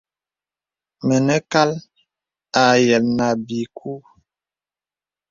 Mənə kàl àyə̀l nà ābi kū.